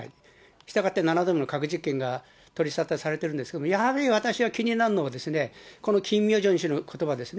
したがって７度目の核実験が取り沙汰されてるんですけれども、やはり私は気になるのは、このキム・ヨジョン氏のことばですね。